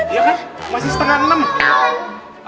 iya kan masih setengah enam kan